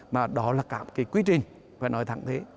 mà đó là cả một cái quy trình phải nói thẳng thế